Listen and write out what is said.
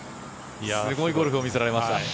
すごいゴルフを見せてもらいましたね。